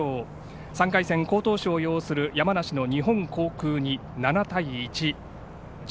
３回戦、好投手を擁する山梨の日本航空に７対１。